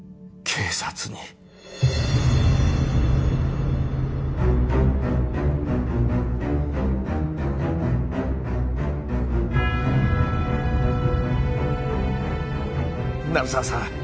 警察に鳴沢さん